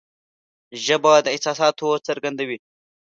ژبه د احساساتو څرګندونکې ده